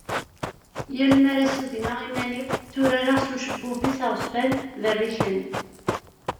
yal mi ara sugneɣ iman-iw tturareɣ s ucebbub-is aɣezfan berriken.